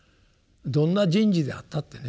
どんな人事であったってね